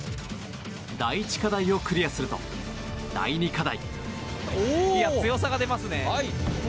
第１課題をクリアすると第２課題。